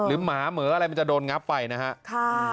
หรือหมาเหมืออะไรมันจะโดนงับไปนะฮะค่ะ